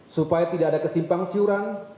supaya tidak ada kesimpangsiuran